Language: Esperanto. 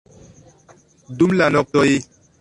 dum la noktoj